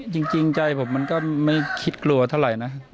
จริงใจผมมันก็ไม่คิดกลัวเท่าไหร่นะ